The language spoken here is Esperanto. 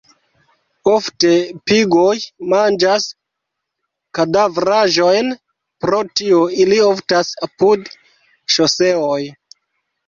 Ofte pigoj manĝas kadavraĵojn; pro tio ili oftas apud ŝoseoj.